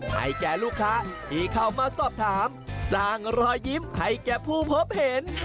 ให้แก่ลูกค้าที่เข้ามาสอบถามสร้างรอยยิ้มให้แก่ผู้พบเห็น